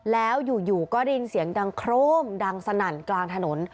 แล้วอยู่ก็ได้ยินเสียงดังโครมดังสนั่นกลางถนน